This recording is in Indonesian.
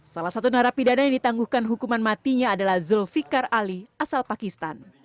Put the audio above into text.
salah satu narapidana yang ditangguhkan hukuman matinya adalah zulfikar ali asal pakistan